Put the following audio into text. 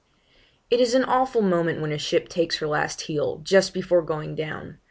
It is an awful moment when a ship takes her last heel, just before going down.